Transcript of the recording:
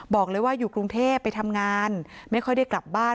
บอกเลยว่าอยู่กรุงเทพไปทำงานไม่ค่อยได้กลับบ้าน